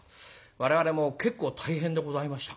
我々も結構大変でございました。